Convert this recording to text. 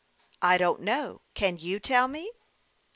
"I don't know; can you tell me?"